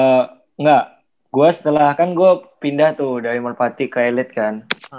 enggak gue setelah kan gue pindah tuh dari merpati ke elit kan